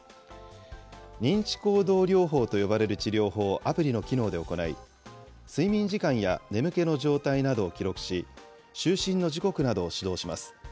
認知行動療法と呼ばれる治療法をアプリの機能で行い、睡眠時間や眠気の状態などを記録し、就寝の時刻などを指導します。